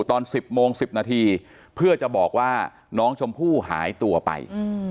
ตอน๑๐โมง๑๐นาทีเพื่อจะบอกว่าน้องชมพู่หายตัวไป